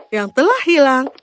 yang telah hilang